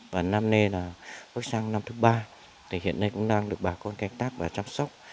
và năm nay là bước sang năm thứ ba thì hiện nay cũng đang được bà con canh tác và chăm sóc